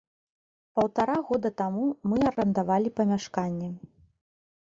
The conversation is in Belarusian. Паўтара года таму мы арандавалі памяшканне.